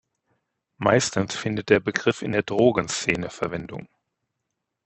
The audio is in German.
Meistens findet der Begriff in der Drogenszene Verwendung.